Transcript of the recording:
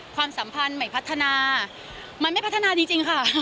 ความสัมพันธ์ใหม่พัฒนามันไม่พัฒนาจริงค่ะ